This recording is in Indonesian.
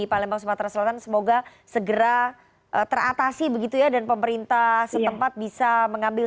palembang sumatera selatan semoga segera teratasi begitu ya dan pemerintah setempat bisa mengambil